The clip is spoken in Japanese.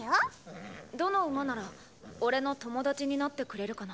どの馬ならおれの友達になってくれるかな。